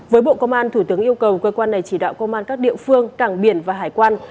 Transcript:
với bộ công an thủ tướng yêu cầu cơ quan này chỉ đạo công an các địa phương cảng biển và hải quan